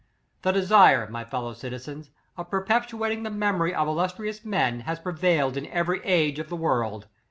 " The desire, my fellow citizens, of per petuating the memory of illustrious men, has prevailed in every age of the world.